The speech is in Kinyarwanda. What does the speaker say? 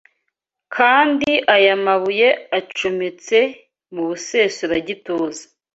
kandi aya mabuye acometse mu musesuragituza